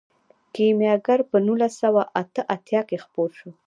کیمیاګر په نولس سوه اته اتیا کې خپور شو.